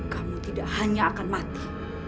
kamu tidak hanya akan mati